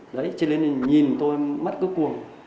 đấy cho nên nhìn tôi mắt cứ cuồng